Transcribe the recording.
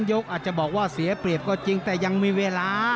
ยกอาจจะบอกว่าเสียเปรียบก็จริงแต่ยังมีเวลา